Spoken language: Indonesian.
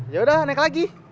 yaudah naik lagi